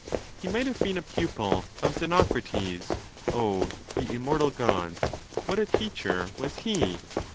He might have been a pupil of Xenocrates. O ye immortal Gods, what a teacher was he